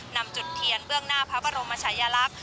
นำจุดเทียนเบื้องหน้าพระบรมชายลักษณ์